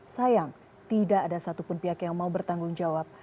sayang tidak ada satupun pihak yang mau bertanggung jawab